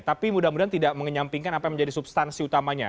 tapi mudah mudahan tidak menyampingkan apa yang menjadi substansi utamanya